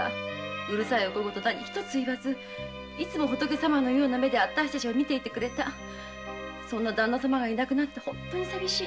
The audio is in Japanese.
うるさいお小言は言わずいつも仏様のような目で見ていてくれたそんなだんな様が居なくなって寂しい」